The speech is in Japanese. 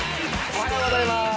おはようございます。